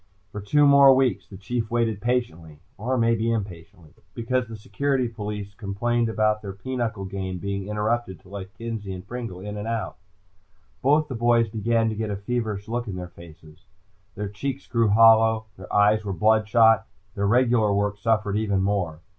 For two more weeks the Chief waited patiently, or maybe impatiently. He knew the boys were working every night, because the security police complained about their pinochle game being interrupted to let Kenzie and Pringle in and out. Both the boys began to get a feverish look in their faces. Their cheeks grew hollow. Their eyes were bloodshot. Their regular work suffered even more.